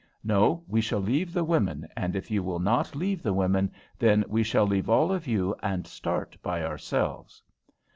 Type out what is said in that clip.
No, we shall leave the women, and if you will not leave the women, then we shall leave all of you and start by ourselves."